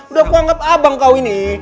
udah konget abang kau ini